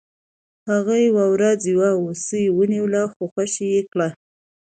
هغه یوه ورځ یو هوسۍ ونیوله خو خوشې یې کړه.